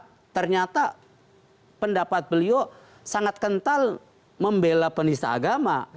karena ternyata pendapat beliau sangat kental membela penista agama